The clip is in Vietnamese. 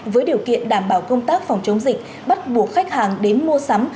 với điều kiện đảm bảo công tác phòng chống dịch bắt buộc khách hàng đến mua sắm